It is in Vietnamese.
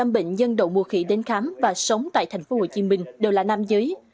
một trăm linh bệnh nhân đậu mùa khỉ đến khám và sống tại thành phố hồ chí minh đều là nam giới